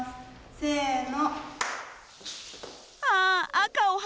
せの。